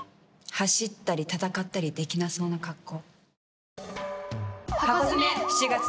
走ったり戦ったりできなそうな格好。